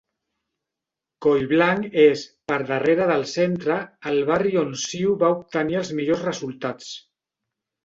Collblanc és, per darrere del Centre, el barri on CiU va obtenir els millors resultats.